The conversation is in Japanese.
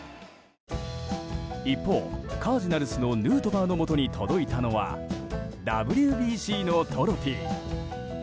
一方、カージナルスのヌートバーのもとに届いたのはＷＢＣのトロフィー。